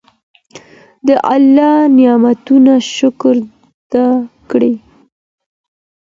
د الله د نعمتونو شکر ادا کړئ.